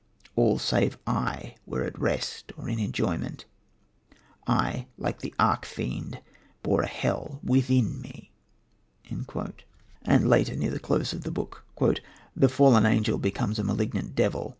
All save I were at rest or in enjoyment. I, like the arch fiend, bore a hell within me." And later, near the close of the book: "The fallen angel becomes a malignant devil.